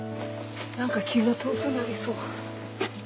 何か気が遠くなりそう。